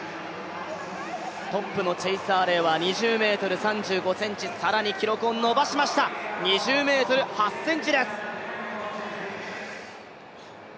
トップのチェイス・アーレイは更に記録を伸ばしました、２０ｍ０８ｃｍです。